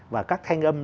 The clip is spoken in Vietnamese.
và các thanh âm